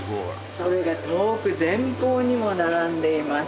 それが遠く前方にも並んでいます